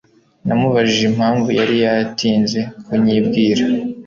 namubajije impamvu yari yaratinze kunyibwira